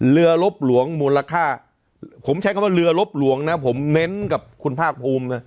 ลบหลวงมูลค่าผมใช้คำว่าเรือลบหลวงนะผมเน้นกับคุณภาคภูมินะ